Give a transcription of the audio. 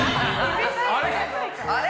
あれ？